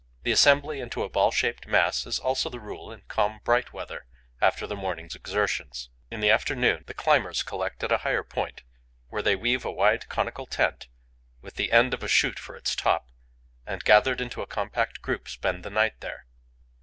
The assembly into a ball shaped mass is also the rule in calm, bright weather, after the morning's exertions. In the afternoon, the climbers collect at a higher point, where they weave a wide, conical tent, with the end of a shoot for its top, and, gathered into a compact group, spend the night there.